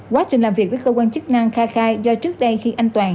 quá trình làm việc với cơ quan chức năng kha khai do trước đây khi anh toàn